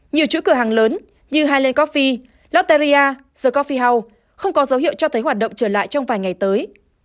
nhiều chỗ cửa hàng lớn như highland coffee lotteria the coffee house không có dấu hiệu cho thấy hoạt động trở lại trong vài ngày tới